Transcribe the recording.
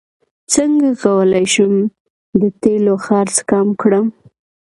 څنګه کولی شم د تیلو خرڅ کم کړم